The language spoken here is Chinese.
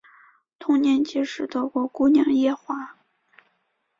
同年结识德国姑娘叶华。